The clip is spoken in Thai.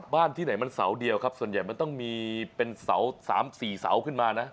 ที่ไหนมันเสาเดียวครับส่วนใหญ่มันต้องมีเป็นเสา๓๔เสาขึ้นมานะ